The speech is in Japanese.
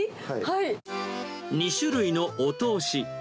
２種類のお通し。